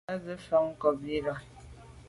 À se’ mfà nkàb i yi.